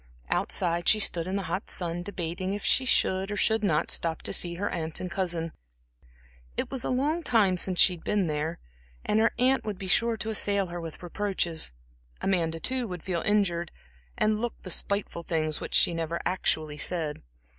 Outside she stood in the hot sun debating if she should or should not stop to see her aunt and cousin. It was a long time since she had been there, and her aunt would be sure to assail her with reproaches. Amanda, too, would feel injured, and look the spiteful things which she never actually said.